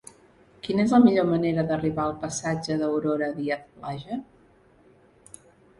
Quina és la millor manera d'arribar al passatge d'Aurora Díaz Plaja?